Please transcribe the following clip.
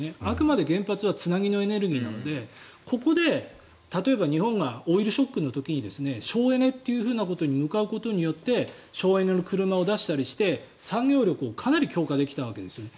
あくまで原発はつなぎのエネルギーなのでここで例えば日本がオイルショックの時に省エネのほうに向かうことによって省エネの車を出したりして産業力をかなり強化できたわけです。